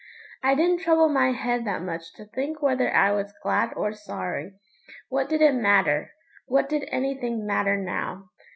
I didn't trouble my head that much to think whether I was glad or sorry. What did it matter? What did anything matter now?